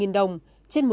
vậy em không thể trả lãi